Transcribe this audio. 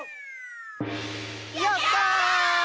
「やったー！！」